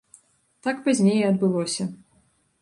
Так пазней і адбылося.